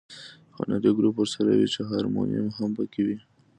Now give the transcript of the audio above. هنري ګروپ ورسره وي چې هارمونیم هم په کې وي.